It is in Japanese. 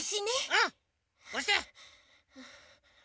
うん！おして！